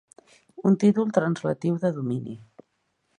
Un títol translatiu de domini.